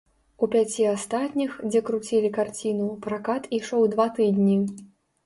У пяці астатніх, дзе круцілі карціну, пракат ішоў два тыдні.